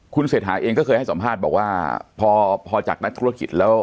คุณเศรษฐาเองก็เคยให้สัมภาษณ์บอกว่าพอจากนักธุรกิจแล้ว